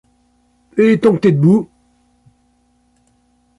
et tant que t'es debout.